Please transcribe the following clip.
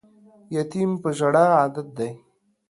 یتیم په ژړا عادت دی